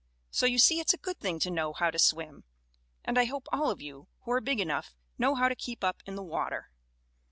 So you see it's a good thing to know how to swim, and I hope all of you, who are big enough, know how to keep up in the water.